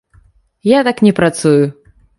Я так не працую.